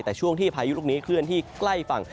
แต่ช่วงที่พายุลูกนี้เคลื่อนที่ใกล้ฝั่ง